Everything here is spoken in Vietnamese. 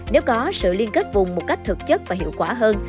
nếu có sự liên kết vùng một cách thực chất và hiệu quả hơn